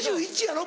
２１やろ？